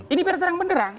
ini biar terang benderang